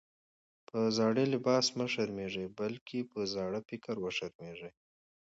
په زاړه لباس مه شرمېږئ! بلکي په زاړه فکر وشرمېږئ.